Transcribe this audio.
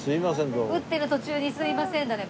打ってる途中にすいませんだねこれ。